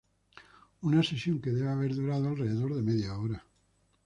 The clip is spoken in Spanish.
Una sesión que debe haber durado alrededor de media hora.